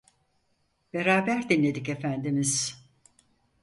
Beraber dinledik Efendimiz.